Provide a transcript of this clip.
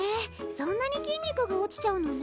そんなに筋肉が落ちちゃうのね。